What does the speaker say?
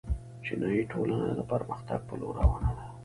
چینايي ټولنه د پرمختګ په لور روانه ده.